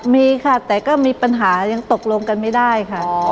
มีค่ะแต่ก็มีปัญหายังตกลงกันไม่ได้ค่ะ